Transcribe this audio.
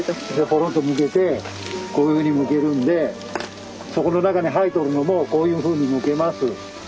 ぽろっとむけてこういうふうにむけるんでそこの中に入っておるのもこういうふうにむけます。